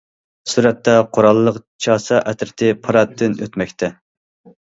سۈرەتتە، قوراللىق چاسا ئەترىتى پاراتتىن ئۆتمەكتە.